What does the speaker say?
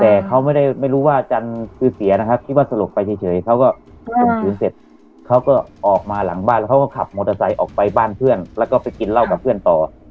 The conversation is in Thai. แต่เขาไม่รู้ว่าจรคือเศรียนะครับคิดว่าส่งไปเฉยเขาถึงจุหัวเสร็จเขาก็ออกมาหลังบ้านก็ขับมอเตอร์ไซด์ออกไปบ้านเพื่อนกินเล่ากับเพื่อนต่อ